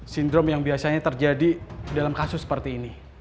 sindrom yang biasanya terjadi dalam kasus seperti ini